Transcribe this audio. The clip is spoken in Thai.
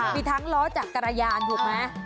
มีทั้งล้อจากกระยารถูกมั้ย